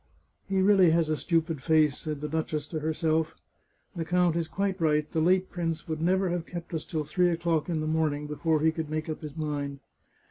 " He really has a stupid face," said the duchess to herself. " The count is quite right, the late prince would never have kept us till three o'clock in the morning before he could make up his mind."